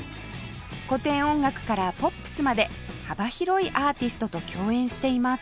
古典音楽からポップスまで幅広いアーティストと共演しています